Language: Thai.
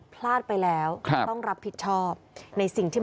พ่อของเอ่อใช่ไหม